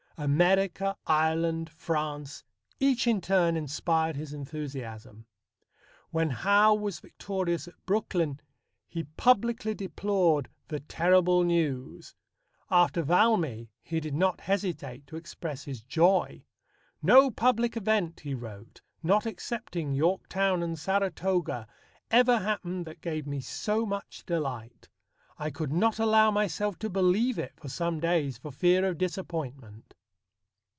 America, Ireland, France, each in turn inspired his enthusiasm. When Howe was victorious at Brooklyn, he publicly deplored "the terrible news." After Valmy he did not hesitate to express his joy. "No public event," he wrote, "not excepting Yorktown and Saratoga, ever happened that gave me so much delight. I could not allow myself to believe it for some days for fear of disappointment."